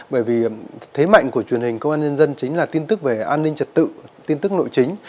bởi vì thế mạnh của truyền hình công an nhân dân chính là tin tức về an ninh trật tự tin tức nội chính